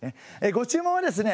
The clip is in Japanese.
ご注文はですね